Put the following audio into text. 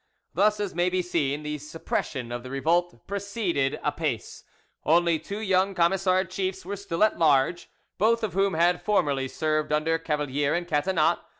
Thus, as may be seen, the suppression of the revolt proceeded apace; only two young Camisard chiefs were still at large, both of whom had formerly served under Cavalier and Catinat.